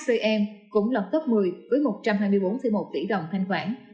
hcm cũng lọt top một mươi với một trăm hai mươi bốn một tỷ đồng thanh khoản